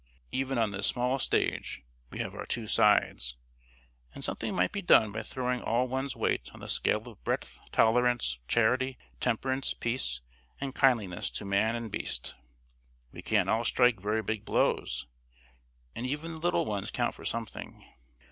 Even on this small stage we have our two sides, and something might be done by throwing all one's weight on the scale of breadth, tolerance, charity, temperance, peace, and kindliness to man and beast. We can't all strike very big blows, and even the little ones count for something.